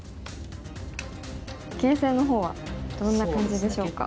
形勢の方はどんな感じでしょうか。